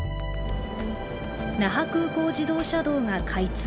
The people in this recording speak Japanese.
那覇空港自動車道が開通。